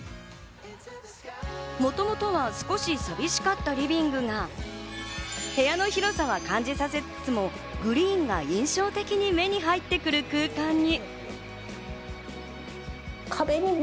もともとは少し寂しかったリビングは、部屋の広さを感じさせつつもグリーンが印象的に目に入ってくる空間に。